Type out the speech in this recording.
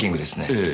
ええ。